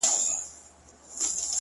o سایه یې نسته او دی روان دی ـ